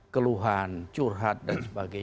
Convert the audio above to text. keluhan curhat dan sebagainya